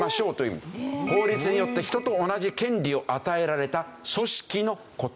法律によって人と同じ権利を与えられた組織の事。